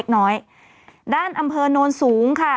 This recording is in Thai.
ในด้านอำเภอโนลสูง